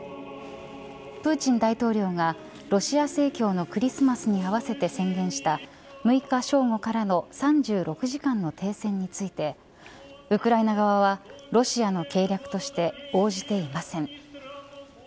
プーチン大統領がロシア正教のクリスマスに合わせて宣言した６日正午からの３６時間の停戦についてウクライナ側はロシアの計略として応じていません。